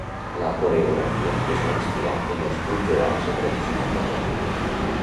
La coreografia es va inspirar en els punts de dansa tradicional catalana.